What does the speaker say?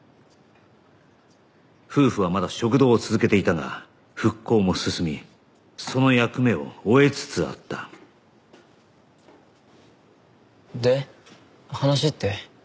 夫婦はまだ食堂を続けていたが復興も進みその役目を終えつつあったで話って？